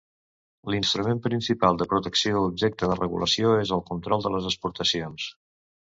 L'instrument principal de protecció objecte de regulació és el control de les exportacions.